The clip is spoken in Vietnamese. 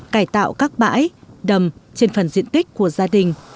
cải tạo các bãi đầm trên phần diện tích của gia đình